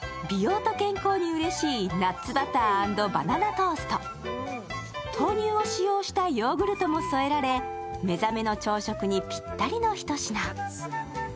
美容と健康にうれしい、ナッツバター＆バナナトースト豆乳を使用したヨーグルトも添えられ目覚めの朝食にぴったりなひと品。